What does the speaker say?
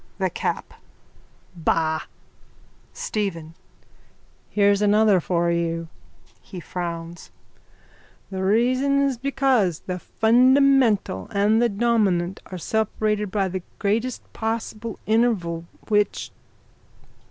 THE CAP: Bah! STEPHEN: Here's another for you. (He frowns.) The reason is because the fundamental and the dominant are separated by the greatest possible interval which...